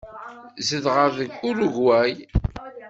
Zedɣeɣ deg Urugway.